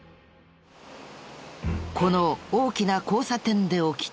この大きな交差点で起きた。